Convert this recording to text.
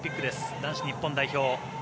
男子日本代表。